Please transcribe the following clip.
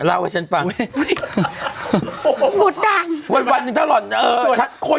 เล่ากับฉันป่ะเอ้ยหมดดำวันถ้าหล่อนเออคนอย่างฉัน